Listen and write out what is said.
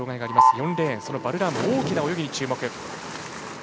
４レーン、バルラームの大きな泳ぎに注目。